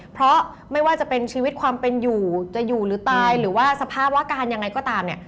เพราะไม่ว่าจะเป็นชีวิตความเป็นอยู่จะอยู่หรือตายหรือว่าสภาวะการยังไงก็ตามเนี่ย